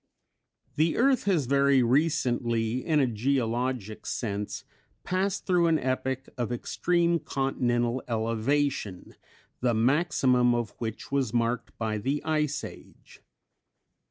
The earth has very recently, in a geologic sense, passed through an epoch of extreme continental elevation the maximum of which was marked by the "Ice Age."